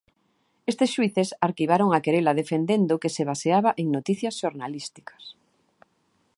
Estes xuíces arquivaron a querela defendendo que se baseaba en noticias xornalísticas.